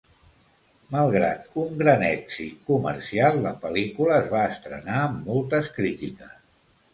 Malgrat un gran èxit comercial, la pel·lícula es va estrenar amb moltes crítiques.